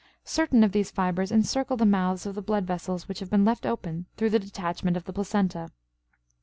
Certain of these fibers encircle the mouths of the blood vessels which have been left open through the detachment of the placenta.